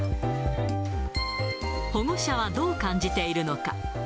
保護者はどう感じているのか。